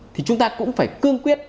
thì chúng ta cũng phải cương quyết